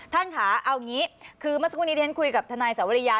ท่านค่ะเอาอย่างนี้คือเมื่อสักครู่นี้ที่ฉันคุยกับทนายสวริยา